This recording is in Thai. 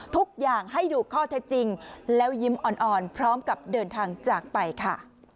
ทุกอย่างให้ดูข้อเท็จจริงแล้วยิ้มอ่อนพร้อมกับเดินทางจากไปค่ะ